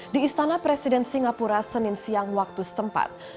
di istana presiden singapura senin siang waktu setempat